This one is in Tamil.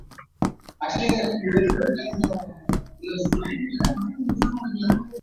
தீப்பொறி தோன்றி மறைந்தது.